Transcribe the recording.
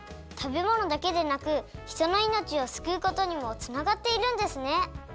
たべものだけでなくひとのいのちをすくうことにもつながっているんですね！